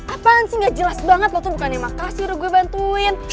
apaan sih gak jelas banget lo tuh bukannya makasih udah gue bantuin